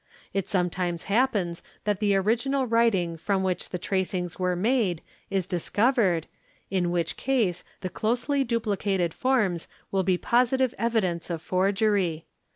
It sometimes happens that the original — writing from which the tracings were made is discovered, in which case the closely duplicated forms will be positive evidence of forgery.